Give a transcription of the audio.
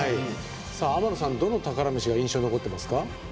天野さん、どの宝メシが印象に残ってますか？